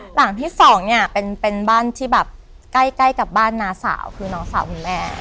หลังที่สองเนี่ยเป็นบ้านที่แบบใกล้กับบ้านน้าสาวคือน้องสาวคุณแม่